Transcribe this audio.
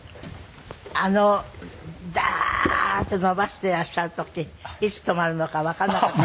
あのダーッて伸ばしていらっしゃる時いつ止まるのかわからなかった。